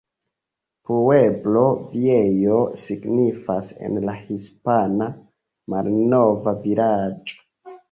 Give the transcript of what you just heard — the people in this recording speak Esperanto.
Pueblo Viejo signifas en la hispana "Malnova vilaĝo".